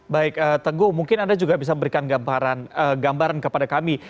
baik tenggu mungkin anda juga bisa berikan gambaran kepada kami